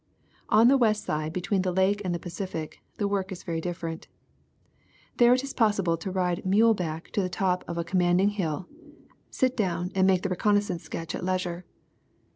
On the west side between the Lake and the Pacific the work is very different. There it is possible to ride mule back to the top of a commanding hill, sit down and make the reconnaissance sketch at leisure.